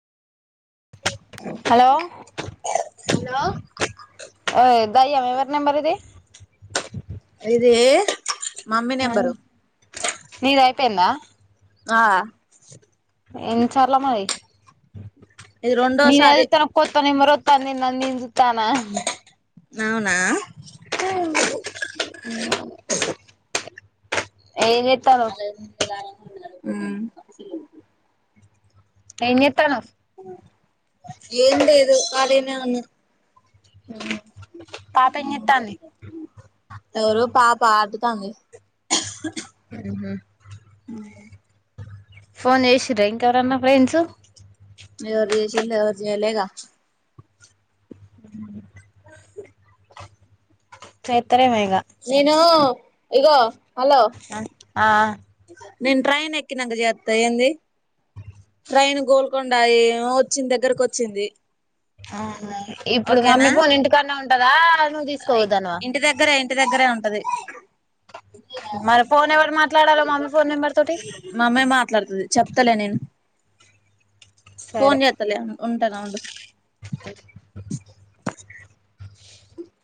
hello hello దయ్యం యే వరి నెంబర్ ఇది ఇది మమ్మీ నేంబరు నీది అయిపోయిందా ఆ ఎం చాల మరి ఇది నీ డెల్ రెండోసారి తోనే కొత్త నెంబర్ వస్తంది ఇది తానా ఉమ్ ఏం చేస్తారో మ్మ్ ఏం చే ఏం లేదు కాలినే ఉన్న పాప ఏం చేస్తంది పాకుతంది మ్మ్ హ్మ్ ఫోన్ చేసిరా ఇంకెవరన్నా ఫ్రెండ్స్ ఎరు చేసిలు ఎవర్ చేలే ఇకా చే నేను ఇగో హలో ఆ నేను ట్రైన్ ఎక్కినాక చేస్తా ఏంది ట్రైన్ గోల్కొండ వచ్చింది దగ్గరకు వచ్చింది అ ఇప్పుడు ఓకేనా మమ్మీ ఫోన్ ఇంటికన్నా ఉంటదా నువ్వు తీసుకుపోతనవా ఇంటిదగ్గరే ఉంటది మరి ఫోన్ ఎవరు మాట్లాడాలో మమ్మీ ఫోన్ నెంబర్ తోటి మమ్మీ మాట్లాడుతది చెప్తలే నేను ఫోన్ సరే చేతలే ఉంటానా ఉండు